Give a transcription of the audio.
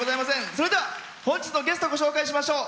それでは本日のゲストをご紹介しましょう。